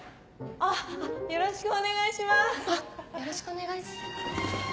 あっよろしくお願いしま。